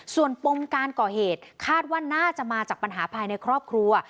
ส่วนปมการก่อเหตุคาดว่าน่าจะมาจากปัญหาภายในครอบครัว